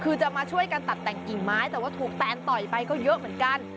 คือจะมาช่วยกันตัดแต่งกิ่งไม้แต่ว่าถูกแตนต่อยไปก็เยอะเหมือนกัน